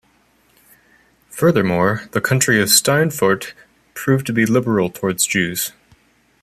Furthermore, the county of Steinfurt proved to be liberal towards Jews.